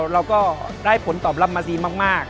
เราก็ได้ผลตอบรับมาดีมาก